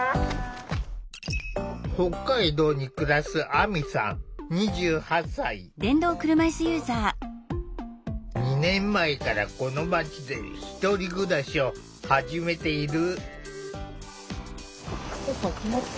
北海道に暮らす２年前からこの街で１人暮らしを始めている。